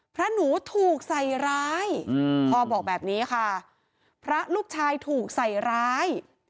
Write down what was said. พระหนูถูกใส่ร้ายพ่อบอกแบบนี้ค่ะพระลูกชายถูกใส่ร้าย